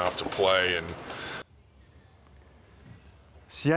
試合